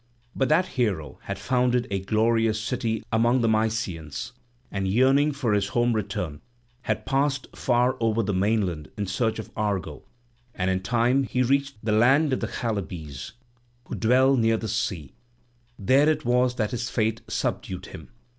But that hero had founded a glorious city among the Mysians, and, yearning for his home return, had passed far over the mainland in search of Argo; and in time he reached the land of the Chalybes, who dwell near the sea; there it was that his fate subdued him.